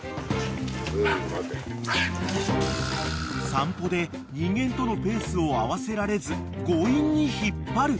［散歩で人間とのペースを合わせられず強引に引っ張る］